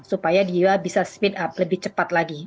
supaya dia bisa speed up lebih cepat lagi